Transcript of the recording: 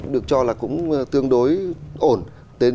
được cho là cũng tương đối ổn